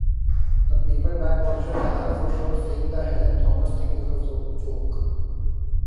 The paperback version has a footnote saying, The Helen Thomas thing is a joke.